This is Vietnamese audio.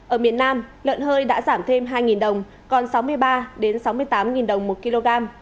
ở miền nam lợn hơi đã giảm thêm hai đồng còn sáu mươi ba sáu mươi tám đồng một kg